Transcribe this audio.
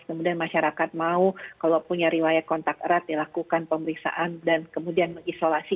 kemudian masyarakat mau kalau punya riwayat kontak erat dilakukan pemeriksaan dan kemudian mengisolasi